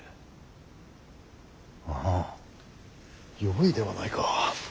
よいではないか。